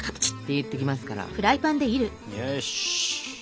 よし。